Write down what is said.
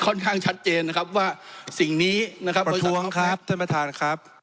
ค่อนข้างชัดเจนนะครับว่าสิ่งนี้นะครับประท้วงครับท่านประธานครับ